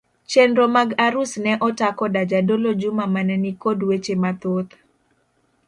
Chenro mag arus ne ota koda jadolo Juma mane ni kod weche mathoth.